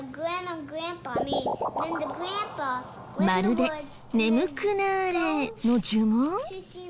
まるで「眠くなれ」の呪文！？